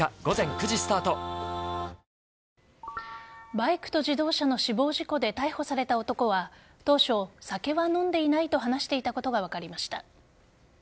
バイクと自動車の死亡事故で逮捕された男は当初、酒は飲んでいないと話していたことが分かりました。